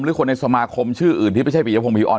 หรือคนในสมาคมชื่ออื่นที่ไม่ใช่ปียพงผีออน